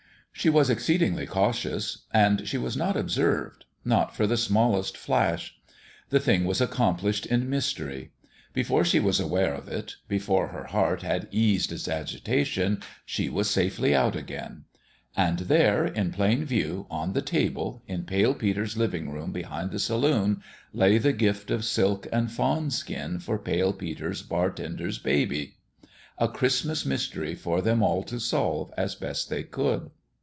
She was exceedingly cautious ; and she was not observed not for the smallest flash. The thing was accomplished in mystery. Before she was aware of it before her heart had eased its agitation she was safely out again ; and there, in plain view, on the table, in Pale Peter's liv ing room behind the saloon, lay the gift of silk and fawn skin for Pale Peter's bartender's baby a Christmas mystery for them all to solve as best they could.